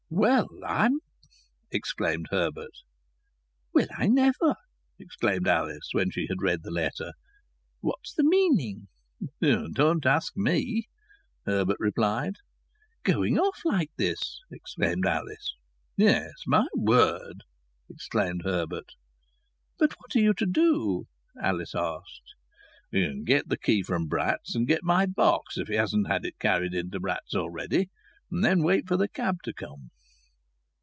"Well, I'm !" exclaimed Herbert. "Well, I never!" exclaimed Alice when she had read the letter. "What's the meaning ?" "Don't ask me!" Herbert replied. "Going off like this!" exclaimed Alice. "Yes, my word!" exclaimed Herbert. "But what are you to do?" Alice asked. "Get the key from Bratt's, and get my box, if he hasn't had it carried in to Bratt's already, and then wait for the cab to come."